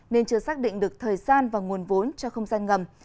nên chưa xác định được thời gian và nguồn vốn cho không gian ngầm